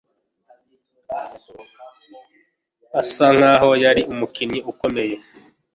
Asa nkaho yari umukinnyi ukomeye.